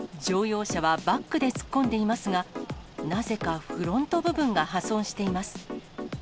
乗用車はバックで突っ込んでいますが、なぜか、フロント部分が破損しています。